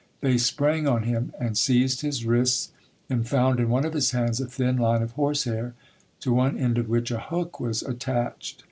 They sprang on him and seized his wrists, and found in one of his hands a thin line of horsehair, to one end of which a hook was attached.